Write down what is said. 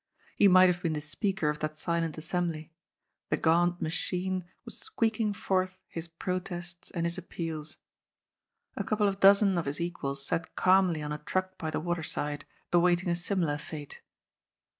He might have been the speaker of that silent assembly ; the gaunt machine was squeaking forth his protests and his appeals. A coaple of dozen of his equals sat calmly on a truck by the water side; awaiting a similar fate.